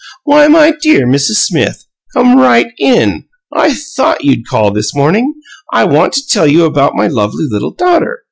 "Why, my dear Mrs. SMITH, come right IN! I THOUGHT you'd call this morning. I want to tell you about my lovely little daughter.